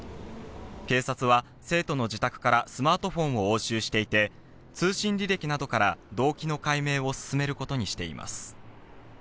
警察は生徒の自宅からスマートフォンを押収していて通信履歴などから動機の解明を進めることにしています。